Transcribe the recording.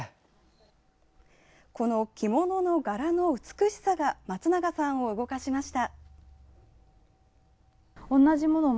この着物の柄の美しさがまつながさんを動かしました。